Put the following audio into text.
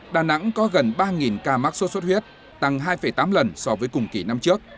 đà nẵng có gần ba ca mắc sốt xuất huyết tăng hai tám lần so với cùng kỷ năm trước